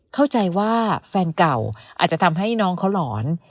เข้าใจว่าแฟนเก่าอาจจะทำให้น้องเขาหลอน